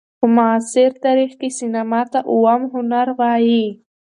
په معاصر هنر کښي سېنما ته اووم هنر وايي.